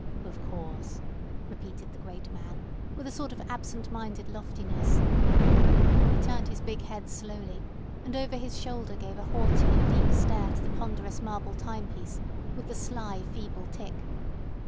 "Of course," repeated the great man, with a sort of absent minded loftiness. He turned his big head slowly, and over his shoulder gave a haughty oblique stare to the ponderous marble timepiece with the sly, feeble tick.